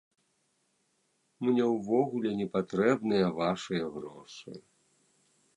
Мне ўвогуле не патрэбныя вашыя грошы.